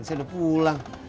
saya udah pulang